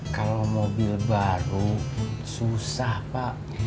kalau mobil baru susah pak